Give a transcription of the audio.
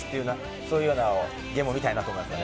そういうようなゲームを見たいと思います。